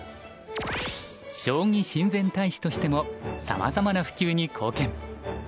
将棋親善大使としてもさまざまな普及に貢献。